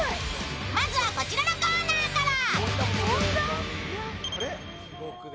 まずはこちらのコーナーから。